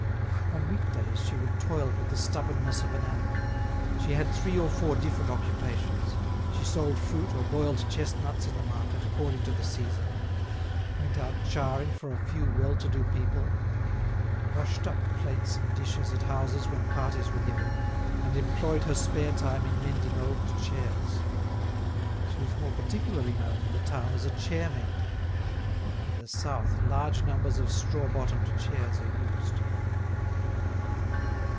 On week days she would toil with the stubbornness of an animal. She had three or four different occupations; she sold fruit or boiled chestnuts in the market, according to the season; went out charring for a few well to do people; washed up plates and dishes at houses when parties were given, and employed her spare time in mending old chairs. She was more particularly known in the town as a chair mender. In the South large numbers of straw bottomed chairs are used.